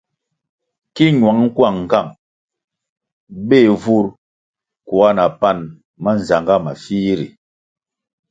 Ki ñuăng kuang nğang béh vur kuga na pan mánzangá mafih ri.